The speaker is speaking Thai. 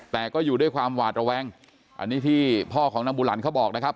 แต่ก็อยู่ด้วยความหวาดระแวงอันนี้ที่พ่อของนางบุหลันเขาบอกนะครับ